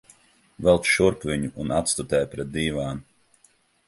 Velc šurp viņu un atstutē pret dīvānu.